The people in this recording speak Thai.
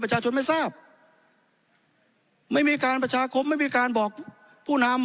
ประชาชนไม่ทราบไม่มีการประชาคมไม่มีการบอกผู้นำ